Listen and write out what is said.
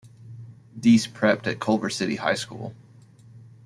Deese prepped at Culver City High School.